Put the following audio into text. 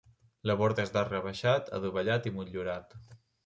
La porta és d'arc rebaixat, adovellat i motllurat.